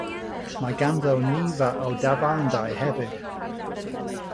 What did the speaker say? Mae ganddo nifer o dafarndai hefyd.